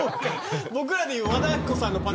僕らでいう。